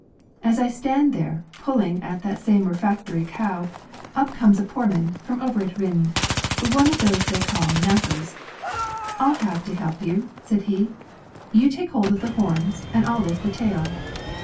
As I stand there pulling at that same refractory cow, up comes a Poorman from over at Rind, one of those they call knackers. 'I'll have to help you,' said he: 'you take hold of the horns, and I'll lift the tail.'